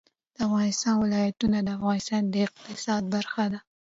د افغانستان ولايتونه د افغانستان د اقتصاد برخه ده.